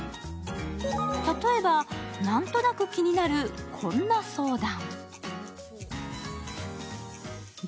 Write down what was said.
例えば、何となく気になるこんな相談。